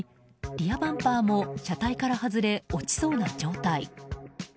リアバンパーも車体から外れ落ちそうな状態。